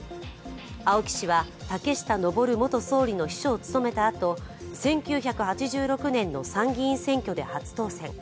青木氏は竹下登元総理の秘書を務めたあと１９８６年の参議院選挙で初当選。